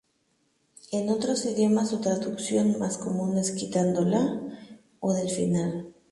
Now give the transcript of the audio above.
En otros idiomas su traducción más común es quitando la o del final.